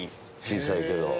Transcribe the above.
小さいけど。